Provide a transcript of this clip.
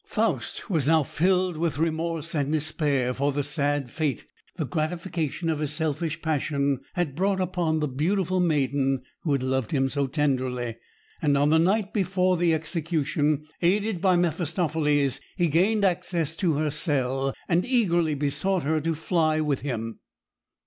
Faust was now filled with remorse and despair for the sad fate the gratification of his selfish passion had brought upon the beautiful maiden who had loved him so tenderly; and on the night before the execution, aided by Mephistopheles, he gained access to her cell, and eagerly besought her to fly with him.